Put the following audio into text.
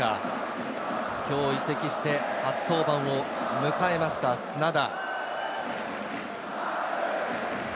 今日、移籍して初登板を迎えました、砂田。